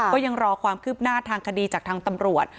ก็ยังรอความคืบหน้าทางคดีจากทางตำรวจ